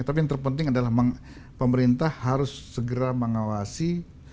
tapi yang terpenting adalah pemerintah harus segera mengawasi